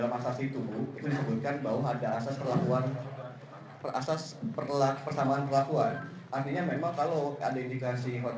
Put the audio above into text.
profil kki jakarta bagaimana menurut anda